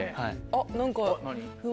あっ何か。